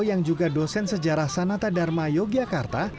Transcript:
yang juga dosen sejarah sanata dharma yogyakarta